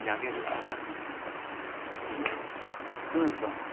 梅津さん